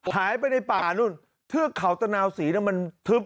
หายไปในป่านู้นเทือกเข่าตะนาวสีก็มัน